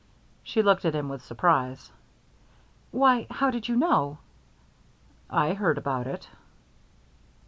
She looked at him with surprise. "Why, how did you know?" "I heard about it."